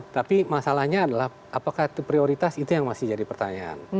tapi masalahnya adalah apakah itu prioritas itu yang masih jadi pertanyaan